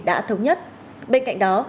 đã thống nhất bên cạnh đó